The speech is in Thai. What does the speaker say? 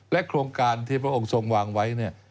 โครงการที่พระองค์ทรงวางไว้เนี่ย